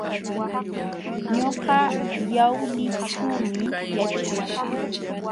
Ñuqa Yawlićhuumi yaćhaa.